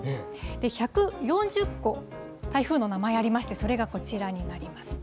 １４０個、台風の名前ありまして、それがこちらになります。